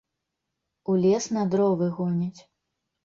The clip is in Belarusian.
У лес на дровы гоняць.